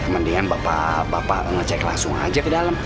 mendingan bapak bapak ngecek langsung aja di dalam